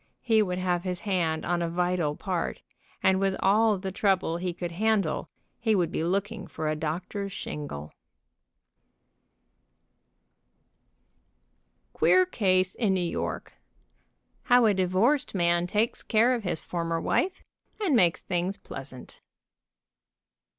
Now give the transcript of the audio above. He would have his hand on a vital part, and with all the trouble he could handle, he would be looking for a doctor's shingle. 214 QUEER CASE IN NEW YORK QUEER CASE IN NEW YORK. HOW A DIVORCED MAN TAKES CARE OF HIS FORMER WIFE, AND MAKES THINGS PLEASANT.